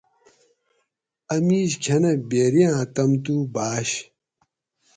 اٞ مِیش کٞھنہ بیری آۤں تم تُو بھاٞش